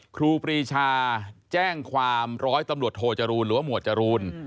ครูปรีชาแจ้งความร้อยตำรวจโทจรูลหรือว่าหมวดจรูน